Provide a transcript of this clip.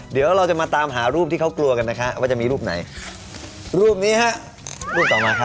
เดี๋ยวเราจะมาตามหารูปที่เขากลัวกันนะคะว่าจะมีรูปไหนรูปนี้ฮะรูปต่อมาครับ